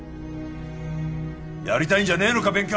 やりたいんじゃねえのか勉強！？